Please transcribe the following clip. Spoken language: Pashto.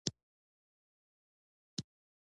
د قواوو او وسلو زیاتوالی ښکارېده.